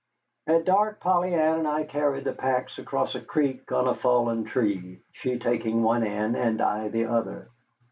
At dark Polly Ann and I carried the packs across a creek on a fallen tree, she taking one end and I the other.